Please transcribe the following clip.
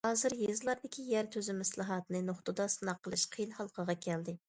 ھازىر، يېزىلاردىكى يەر تۈزۈمى ئىسلاھاتىنى نۇقتىدا سىناق قىلىش قىيىن ھالقىغا كەلدى.